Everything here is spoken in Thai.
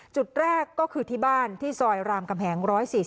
จุดแรกก็คือที่บ้านที่ซอยรามกำแหง๑๔๐